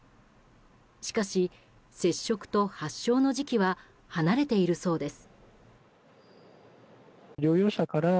しかし、接触と発症の時期は離れているそうです。